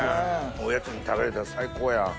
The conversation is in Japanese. おやつに食べれたら最高や。